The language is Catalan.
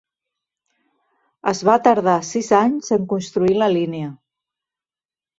Es va tardar sis anys en construir la línia.